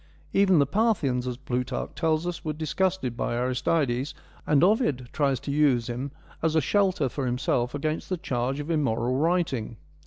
Even the Parthians, as Plutarch tells us, were 'disgusted by Aristides, and Ovid tries to use him as a 48 FEMINISM IN GREEK LITERATURE shelter for himself against the charge of immoral writing.